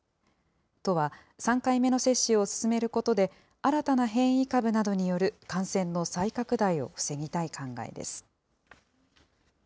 都は、３回目の接種を進めることで、新たな変異株などによる感染の再拡大を防ぎたい考えです。